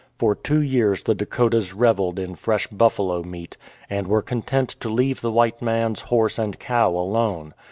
For two years the Dakotas revelled in fresh buffalo meat, and were content to leave the white man's horse and cow alone.